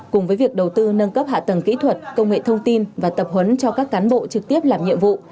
cùng với việc đầu tư nâng cấp hạ tầng kỹ thuật công nghệ thông tin và tập huấn cho các cán bộ trực tiếp làm nhiệm vụ